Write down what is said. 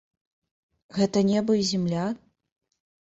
Гэта неба і зямля?